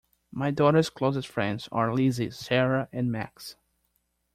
My daughter's closest friends are Lizzie, Sarah and Max.